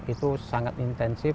itu sangat intensif